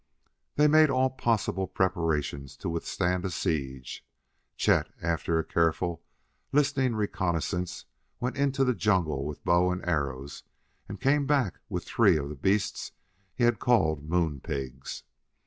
They made all possible preparations to withstand a siege. Chet, after a careful, listening reconnaissance, went into the jungle with bow and arrows, and he came back with three of the beasts he had called Moon pigs.